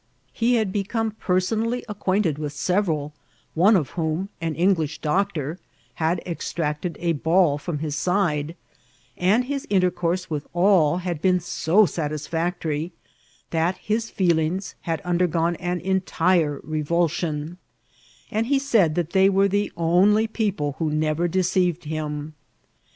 He St48 INCIPBNT8 or TAATBL. had become personally acquainted with several, one at whom, an Englidi doctor, had extracted a ball from his side ; and his intercourse with all had been so sat is&ctory, that his feelings had undergone an entire re vulsion; and he said that they were the only pec^e who never deceived him.